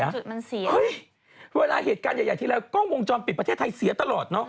จุดมันเสียเวลาเหตุการณ์ใหญ่ที่แล้วกล้องวงจรปิดประเทศไทยเสียตลอดเนอะ